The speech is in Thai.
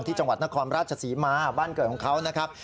จังหวัดนครราชศรีมาบ้านเกิดของเขานะครับ